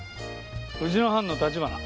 うちの班の橘。